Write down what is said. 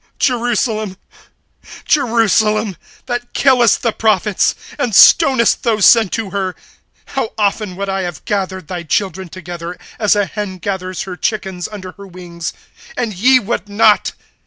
(37)Jerusalem! Jerusalem! that killest the prophets, and stonest those sent to her; how often would I have gathered thy children together, as a hen gathers her chickens under her wings, and ye would not!